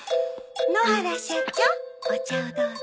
野原社長お茶をどうぞ。